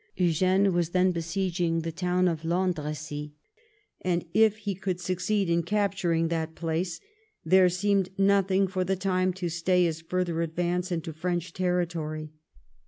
Eugene was then besieging the town of Landrecies, and if he could succeed in capturing that place, there seemed nothing, for the time, to stay his further advance into French territory.